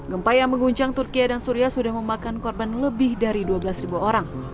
gempa yang mengguncang turkiye dan suria sudah memakan korban lebih dari dua belas orang